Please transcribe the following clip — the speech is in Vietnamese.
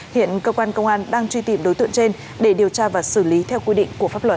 hiện cơ quan công an đang truy tìm đối tượng trên để điều tra và xử lý theo quy định của pháp luật